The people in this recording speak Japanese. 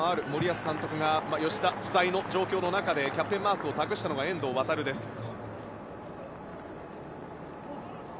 森保監督が吉田不在の中でキャプテンマークを託したのが遠藤航です。